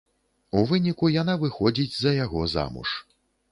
У выніку яна выходзіць за яго замуж.